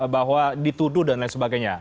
bahwa dituduh dan lain sebagainya